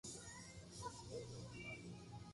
私は今が最高に楽しいです。ダンスがうまくなりたい。